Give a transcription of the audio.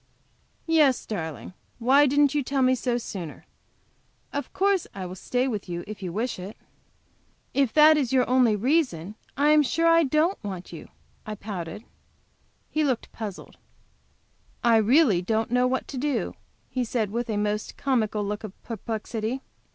"Yes, darling; why didn't you tell me so sooner? Of course I will stay with you if you wish it." "If that is your only reason, I am sure I don't want you," I pouted. He looked puzzled. "I really don't know what to do," he said, with a most comical look of perplexity.